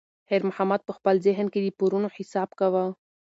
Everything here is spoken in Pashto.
خیر محمد په خپل ذهن کې د پورونو حساب کاوه.